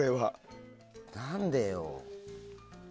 何でよ？